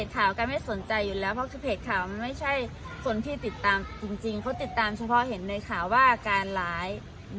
ข่าวกันไม่สนใจอยู่แล้วเพราะคือเพจข่าวมันไม่ใช่คนที่ติดตามจริงเขาติดตามเฉพาะเห็นในข่าวว่าการร้าย